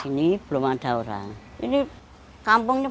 sebenarnya rakan rakan itu sudah ke birrug